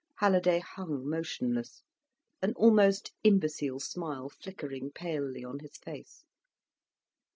Halliday hung motionless, an almost imbecile smile flickering palely on his face.